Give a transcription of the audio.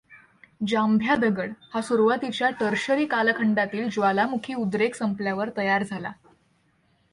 जांभ्या दगड हा सुरुवातीच्या टर्शियरी कालखंडातील ज्वालामुखी उद्रेक संपल्यावर तयार झाला.